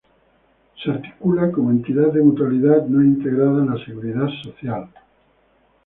Se articula como entidad de mutualidad no integrada en la Seguridad Social.